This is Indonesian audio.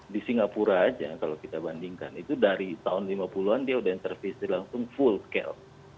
di singapura aja kalau kita bandingkan itu dari tahun lima puluh an dia udah intervisi langsung full scale